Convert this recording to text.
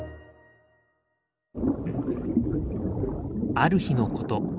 ある日のこと。